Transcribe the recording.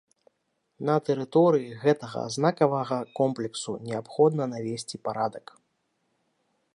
На тэрыторыі гэтага знакавага комплексу неабходна навесці парадак.